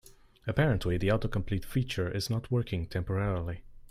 Apparently, the autocomplete feature is not working temporarily.